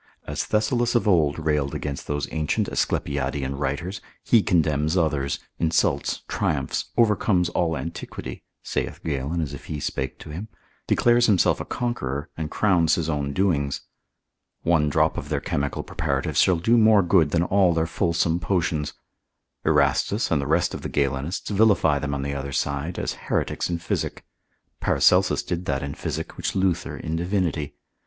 As Thessalus of old railed against those ancient Asclepiadean writers, he condemns others, insults, triumphs, overcomes all antiquity (saith Galen as if he spake to him) declares himself a conqueror, and crowns his own doings. One drop of their chemical preparatives shall do more good than all their fulsome potions. Erastus, and the rest of the Galenists vilify them on the other side, as heretics in physic; Paracelsus did that in physic, which Luther in Divinity.